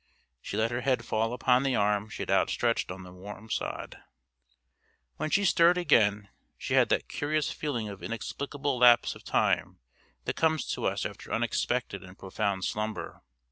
She let her head fall upon the arm she had outstretched on the warm sod. When she stirred again she had that curious feeling of inexplicable lapse of time that comes to us after unexpected and profound slumber.